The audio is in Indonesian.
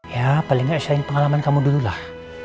ya paling enggak share pengalaman kamu dulu lah